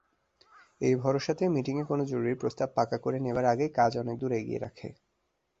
এই ভরসাতেই মীটিঙে কোনো জরুরি প্রস্তাব পাকা করে নেবার আগেই কাজ অনেকদূর এগিয়ে রাখে।